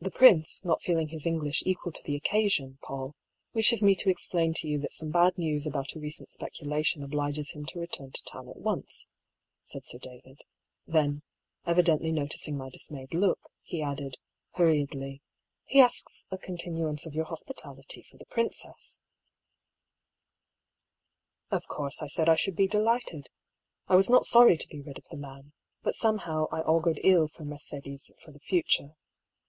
" The prince, not feeling his English equal to the occasion, PauU, wishes me to explain to you that some bad news about a recent speculation obliges him to return to town at once," said Sir David ; then, evidently noticing my dismayed look, he added, hurriedly :" He asks a continuance of your hospitality for the princess." 260 I>R PAULL'S THEORY. V Of course, I said I should be delighted. I was not sorry to be rid of the man ; but somehow I augured ill for Mercedes for the future.